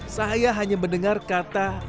saya hanya mendengar kata